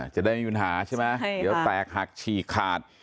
จะได้ไม่มีปัญหาใช่ไหมเดี๋ยวแตกหักฉีกขาด